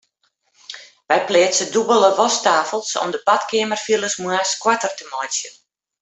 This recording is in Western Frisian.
Wy pleatse dûbelde wasktafels om de badkeamerfiles moarns koarter te meitsjen.